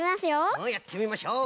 うんやってみましょう。